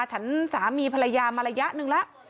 ฉันสามีภรรยามาระยะหนึ่งแล้ว